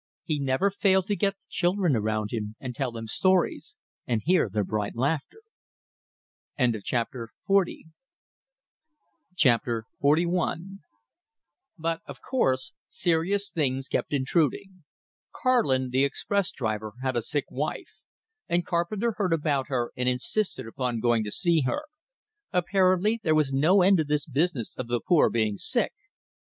He never failed to get the children around him and tell them stories, and hear their bright laughter. XLI But, of course, serious things kept intruding. Karlin the express driver, had a sick wife, and Carpenter heard about her and insisted upon going to see her. Apparently there was no end to this business of the poor being sick.